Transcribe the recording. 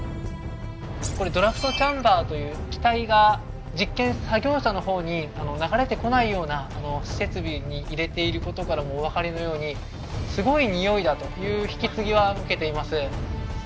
これドラフトチャンバーという気体が実験作業者の方に流れてこないような設備に入れていることからもお分かりのようにすごいにおいだという引き継ぎは受けています。